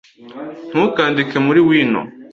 ntukandike muri wino